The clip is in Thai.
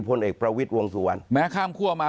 พลเอกประวิทย์วงสุวรรณแม้ข้ามคั่วมา